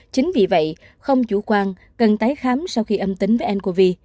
chính vì vậy không chủ quan cần tái khám sau khi âm tính với ncov